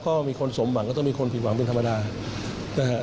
ก็มีคนสมหวังก็ต้องมีคนผิดหวังเป็นธรรมดานะฮะ